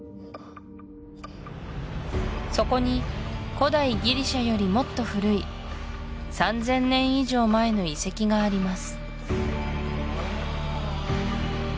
そこに古代ギリシアよりもっと古い３０００年以上前の遺跡があります